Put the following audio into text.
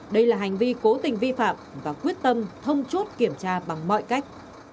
đây là hành vi cố tình vi phạm và quyết tâm thông chốt kiểm tra bằng mọi cách